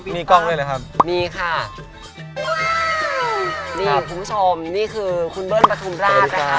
มีกล้องด้วยเหรอครับนี่ค่ะนี่คุณผู้ชมนี่คือคุณเบิ้ลปฐุมราชนะคะ